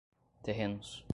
terrenos